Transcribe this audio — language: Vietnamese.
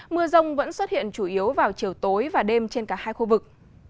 mưa rông vẫn xuất hiện chủ yếu vào chiều tối và đêm trên cả hai khu vực